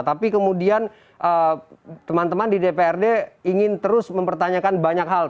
tapi kemudian teman teman di dprd ingin terus mempertanyakan banyak hal